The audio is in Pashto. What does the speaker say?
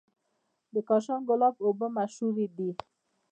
د کاشان ګلاب اوبه مشهورې دي.